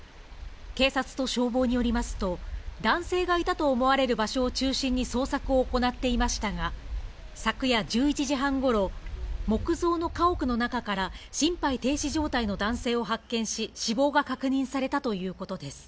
警察と消防によりますと、男性がいたと思われる場所を中心に捜索を行っていましたが、昨夜１１時半頃、木造の家屋の中から心肺停止状態の男性を発見し、死亡が確認されたということです。